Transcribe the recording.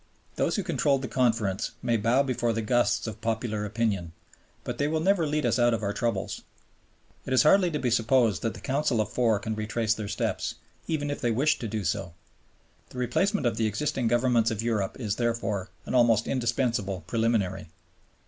Those who controlled the Conference may bow before the gusts of popular opinion, but they will never lead us out of our troubles. It is hardly to be supposed that the Council of Four can retrace their steps, even if they wished to do so. The replacement of the existing Governments of Europe is, therefore, an almost indispensable preliminary.